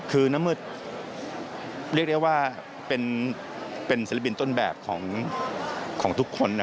คือน้ำมืดเรียกได้ว่าเป็นศิลปินต้นแบบของทุกคน